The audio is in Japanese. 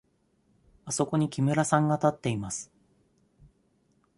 あそこに木村さんが立っています。